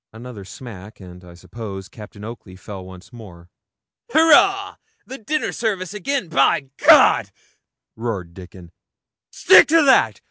Another smack, and, I suppose, Captain Oakley fell once more. 'Hooray! the dinner service again, by ,' roared Dickon. 'Stick to that.